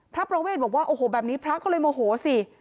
พระประเวทบอกว่าโอ้โหแบบนี้พระก็เลยโมโหสิ